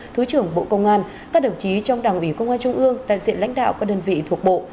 thứ trưởng bộ công an các đồng chí trong đảng ủy công an trung ương đại diện lãnh đạo các đơn vị thuộc bộ